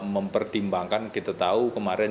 mempertimbangkan kita tahu kemarin